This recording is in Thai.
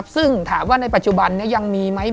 ซึ่งถามว่าในปัจจุบันนี้ยังมีไหม